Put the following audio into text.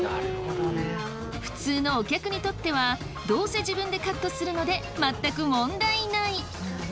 普通のお客にとってはどうせ自分でカットするので全く問題ない！